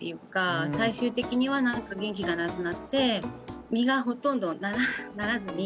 最終的には何か元気がなくなって実がほとんどならずに。